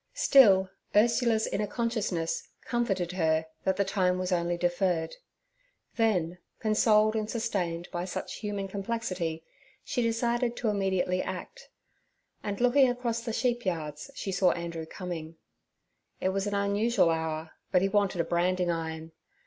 Still, Ursula's inner consciousness comforted her that the time was only deferred. Then, consoled and sustained by such human complexity, she decided to immediately act; and, looking across the sheep yards, she saw Andrew coming; it was an unusual hour, but he wanted a branding iron.